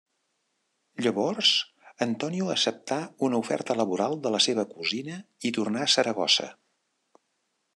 Llavors, Antonio accepta una oferta laboral de la seva cosina i torna a Saragossa.